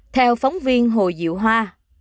theo phóng viên hồ dịu hoa